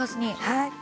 はい。